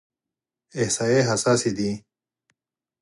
احصایې حساسې دي.